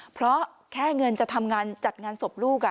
เพราะแค่เงินจะทำงานจัดงานศพลูก